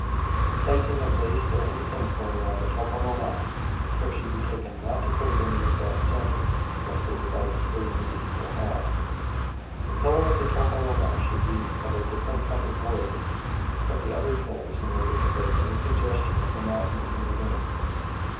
In placing a vase of an incense burner on the tokonoma, care should be taken not to put it in the exact centre, lest it divide the space into equal halves. The pillar of the tokonoma should be of a different kind of wood from the other pillars, in order to break any suggestion of monotony in the room.